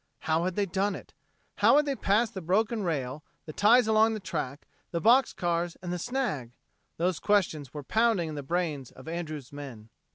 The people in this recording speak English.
How had they done it? How had they passed the broken rail, the ties along the track, the box cars and the snag? Those questions were pounding in the brains of Andrews' men.